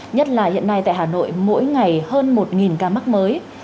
nhất là hiện nay tại hà nội mỗi ngày hơn một ca mắc mới